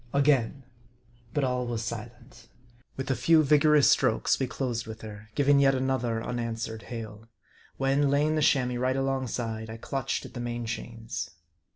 Again. But all was silent. With a few vigorous strokes, we closed with her, giving yet another unanswered hail ; when, lay ing the Chamois right alongside, I clutched at the main chains.